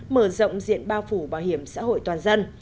mở rộng diện bao phủ bảo hiểm xã hội toàn dân